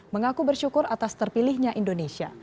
mengaku bersyukur atas terpilihnya indonesia